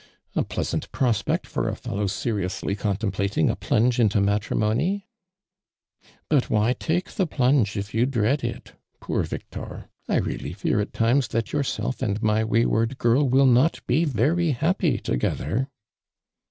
"A plea sant prospect ior a fellow seriously contem plating a plunge into matrimony !"'" But why take the plunge if you dread it, poor Victor ? I really fenr at times that yourself and my wayward girl will not be very happy togetlier."